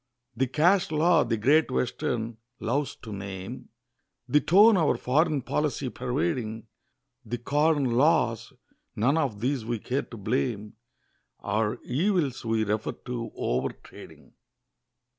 The Cash Law the "Great Western" loves to name; The tone our foreign policy pervading; The Corn Laws none of these we care to blame, Our evils we refer to over trading.